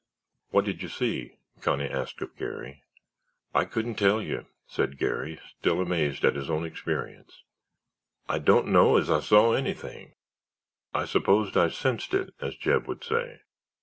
"What did you see?" Connie asked of Garry. "I couldn't tell you," said Garry, still amazed at his own experience, "I don't know as I saw anything; I suppose I sensed it, as Jeb would say.